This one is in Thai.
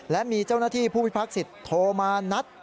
และมีเจ้าหน้าที่ผู้พิพักษิตโทรมานัด